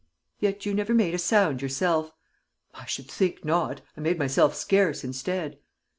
"Yet you never made a sound yourself." "I should think not! I made myself scarce instead."